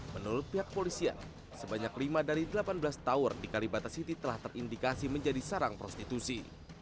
menurut pihak polisian sebanyak lima dari delapan belas tower di kalibata city telah terindikasi menjadi sarang prostitusi